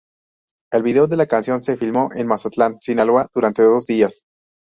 El video de la canción se filmó en Mazatlán, Sinaloa durante dos días.